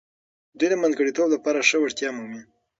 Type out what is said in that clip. دوی د منځګړیتوب لپاره ښه وړتیا مومي.